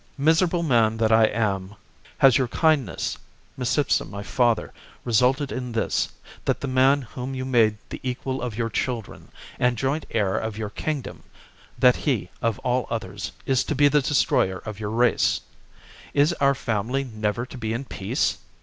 " Miserable man that I am ! Has your kindness, Micipsa my father, resulted in this, that the man whom you made the equal of your children, and 136 THE JUGURTHINE WAR. CHAP, joint heir of your kingdom — that he, of all others, is to be the destroyer of your race } Is our family never to be in peace